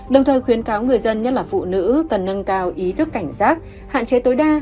đồng thời khuyến cáo người dân nhất là phụ nữ cần nâng cao ý thức cảnh giác hạn chế tối đa